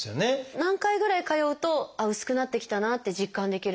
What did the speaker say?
何回ぐらい通うとあっ薄くなってきたなって実感できるものですか？